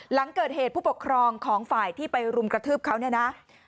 หลังเกิดเหตุผู้ปกครองของฝ่ายที่ไปรุมกระทืบเขาเนี่ยนะ